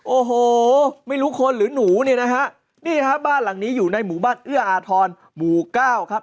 โอ้โหไม่รู้คนหรือหนูเนี่ยนะฮะนี่ฮะบ้านหลังนี้อยู่ในหมู่บ้านเอื้ออาทรหมู่เก้าครับ